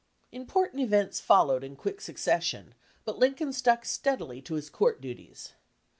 Important events followed in quick succession, but Lincoln stuck steadily to his court duties.